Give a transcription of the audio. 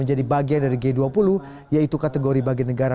yang bener aja yang bener aja